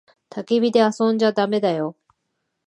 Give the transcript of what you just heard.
たき火で遊んじゃだめだよ。